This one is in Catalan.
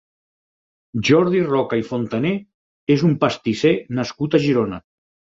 Jordi Roca i Fontané és un pastisser nascut a Girona.